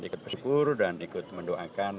ikut bersyukur dan ikut mendoakan